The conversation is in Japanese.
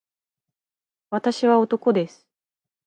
私は男です